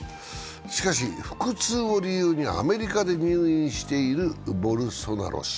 しかし、腹痛を理由にアメリカで入院しているボルソナロ氏。